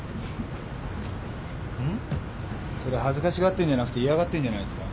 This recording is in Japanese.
それ恥ずかしがってんじゃなくて嫌がってんじゃないすか？